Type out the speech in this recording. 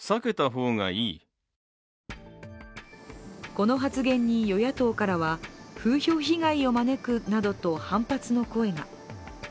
この発言に、与野党からは風評被害を招くなどと反発の声が。